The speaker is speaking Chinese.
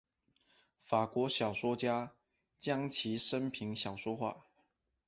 法国小说家将其生平小说化。